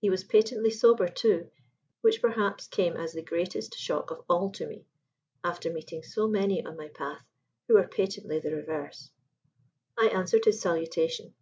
He was patently sober, too, which perhaps came as the greatest shock of all to me, after meeting so many on my path who were patently the reverse. I answered his salutation.